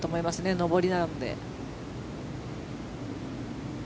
上りなので。